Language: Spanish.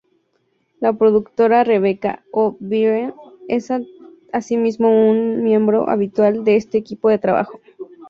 La productora Rebecca O'Brien es asimismo un miembro habitual de este equipo de trabajo.